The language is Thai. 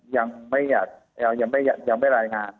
ยังไม่รายงาน